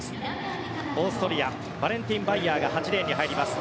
オーストリアバレンティン・バイヤーが８レーンに入ります。